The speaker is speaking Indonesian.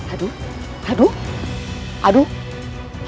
aduh aduh aduh